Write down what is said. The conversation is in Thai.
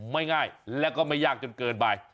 ไม่ง่ายและก็ไม่ยากจนเกินไป